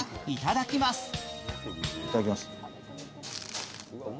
いただきます。